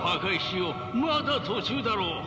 まだ途中だろう。